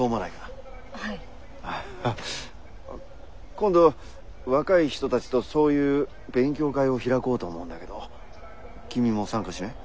今度若い人たちとそういう勉強会を開こうと思うんだけど君も参加しない？